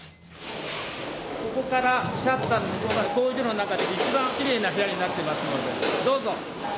ここからシャッターの向こうが工場の中でいちばんきれいな部屋になってますのでどうぞ！